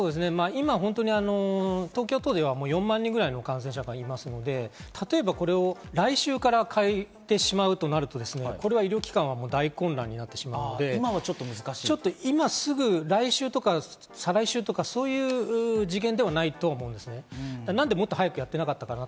今、東京都では４万人くらいの感染者がいますので、例えば、これを来週から変えてしまうとなると、これは医療機関は大混乱になってしまうので、今すぐ来週、再来週とか、そういう次元ではないと思うんですね。